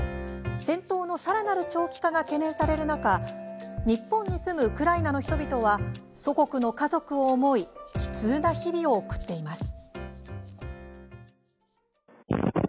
戦闘のさらなる長期化が懸念される中日本に住むウクライナの人々は祖国の家族を思い悲痛な日々を送っています。